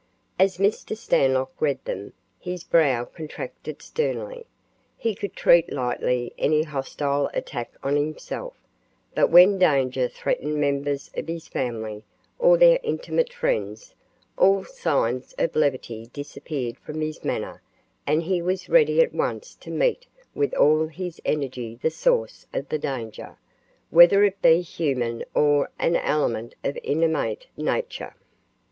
As Mr. Stanlock read them, his brow contracted sternly. He could treat lightly any hostile attack on himself, but when danger threatened members of his family or their intimate friends, all signs of levity disappeared from his manner and he was ready at once to meet with all his energy the source of the danger, whether it be human or an element of inanimate nature.